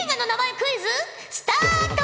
クイズスタート！